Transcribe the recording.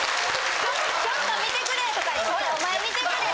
・「ちょっと見てくれ」とか「ほらお前見てくれ」。